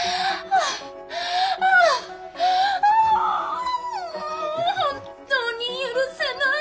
ああ本当に許せない。